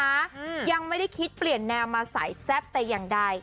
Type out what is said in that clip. อืมยังไม่ได้คิดเปลี่ยนแนวมาสายแซ่บแต่อย่างใด